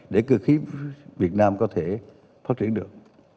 để cơ khí việt nam có thể phát triển được